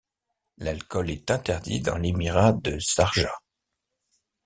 L'alcool est interdit dans l'émirat de Sharjah.